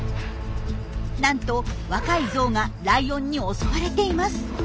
なんと若いゾウがライオンに襲われています。